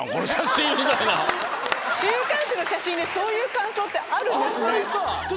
週刊誌の写真でそういう感想ってあるんですね。